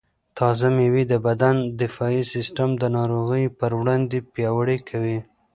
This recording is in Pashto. تازه مېوې د بدن دفاعي سیسټم د ناروغیو پر وړاندې پیاوړی کوي.